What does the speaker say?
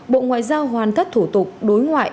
bộ ngoại giao hoàn tất thủ tục đối ngoại